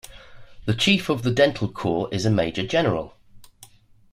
The chief of the Dental Corps is a major general.